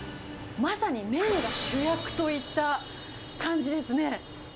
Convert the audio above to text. まさに麺が主役といった感じですね。